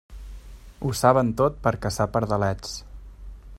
Ho saben tot per a caçar pardalets!